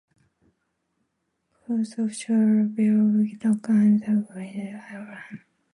Close offshore are Bigelow Rock and the Gillies Islands.